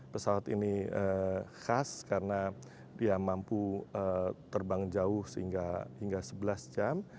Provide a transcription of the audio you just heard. pesawat ini khas karena dia mampu terbang jauh sehingga hingga sebelas jam